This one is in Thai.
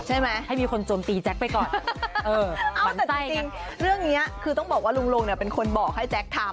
ให้มีคนโจมตีแจ๊คไปก่อนเออเอาแต่จริงเรื่องเนี้ยคือต้องบอกว่าลุงลงเนี่ยเป็นคนบอกให้แจ๊คทำ